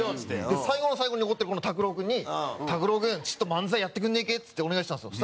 最後の最後に残ってるこの卓郎君に「卓郎君ちょっと漫才やってくんねえけ？」ってお願いしたんですよ。